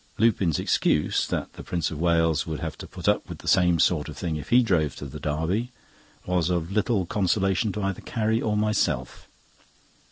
Lupin's excuse—that the Prince of Wales would have to put up with the same sort of thing if he drove to the Derby—was of little consolation to either Carrie or myself.